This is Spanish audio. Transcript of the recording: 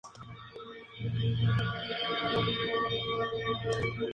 Al año siguiente, se graduó en la Facultad de Derecho de Port-au-Prince.